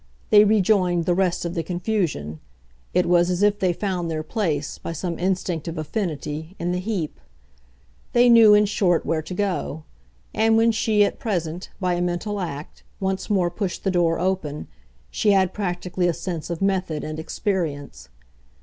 They rejoined the rest of the confusion; it was as if they found their place, by some instinct of affinity, in the heap. They knew, in short, where to go; and when she, at present, by a mental act, once more pushed the door open, she had practically a sense of method and experience.